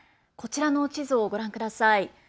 こちらの地図をご覧ください。